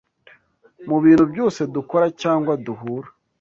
Mu bintu byose dukora cyangwa duhura